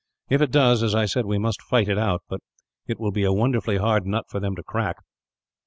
If it does, as I said, we must fight it out; but it will be a wonderfully hard nut for them to crack."